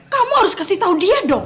kamu harus kasih tahu dia dong